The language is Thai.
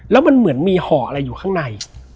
แล้วมันเหมือนมีห่ออะไรอยู่ข้างใน